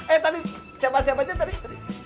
eh tadi siapa siapanya tadi